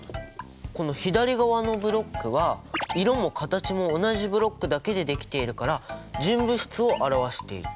この左側のブロックは色も形も同じブロックだけでできているから純物質を表していて。